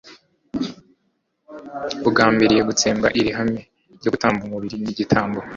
bugambiriye gutsembaho iri hame ryo gutamba umubiri n’ igitambo;